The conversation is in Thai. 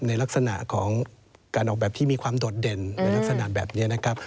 ในลักษณะของการออกแบบที่มีความโดดเด่นในลักษณะแบบนี้นะครับ